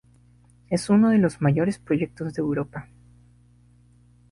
Es uno de los mayores proyectos de Europa.